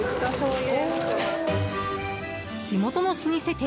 地元の老舗店